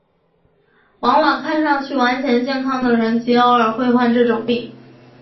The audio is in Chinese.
往往看上去完全健康的人极偶尔会患这种病。